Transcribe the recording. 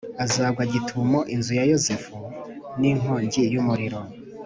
azagwa gitumo inzu ya Yozefu nk’inkongi y’umuriro,